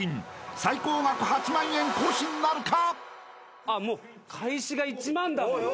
［最高額８万円更新なるか？］